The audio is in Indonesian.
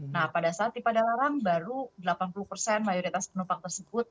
nah pada saat di padalarang baru delapan puluh persen mayoritas penumpang tersebut